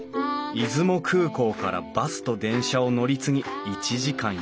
出雲空港からバスと電車を乗り継ぎ１時間４５分。